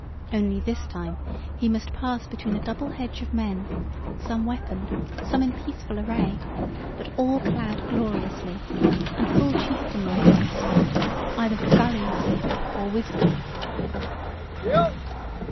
Only this time he must pass between a double hedge of men, some weaponed, some in peaceful array, but all clad gloriously, and full chieftain like of aspect, either for valiancy or wisdom.